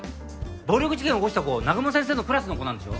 暴力事件起こした子南雲先生のクラスの子なんでしょ？